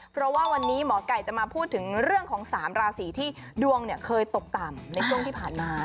เพราะว่าวันนี้หมอไก่จะมาพูดถึงเรื่องของ๓ราศีที่ดวงเคยตกต่ำในช่วงที่ผ่านมา